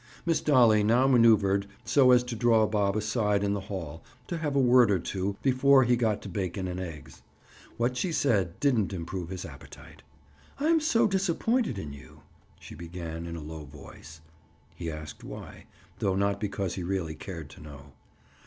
Miss Dolly now maneuvered so as to draw Bob aside in the hall to have a word or two before he got to bacon and eggs. What she said didn't improve his appetite. "I'm so disappointed in you," she began in a low voice. He asked why, though not because he really cared to know.